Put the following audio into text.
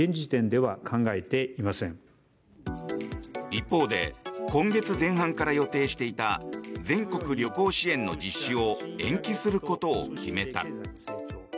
一方で今月前半から予定していた全国旅行支援の実施を延期することを決めた。